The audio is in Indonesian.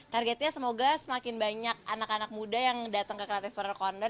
targetnya semoga semakin banyak anak anak muda yang datang ke creative part corner